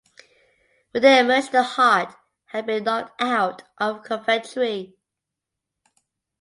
When they emerged the "heart had been knocked out" of Coventry.